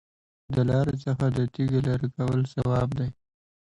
د لارې څخه د تیږې لرې کول ثواب دی.